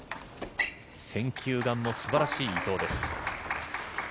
選球眼も素晴らしい伊藤です。